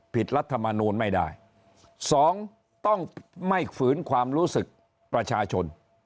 รัฐมนูลไม่ได้สองต้องไม่ฝืนความรู้สึกประชาชน